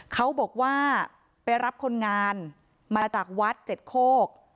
เขาบอกว่าไปรับคนงานมาจากวัดเจ็ดโคก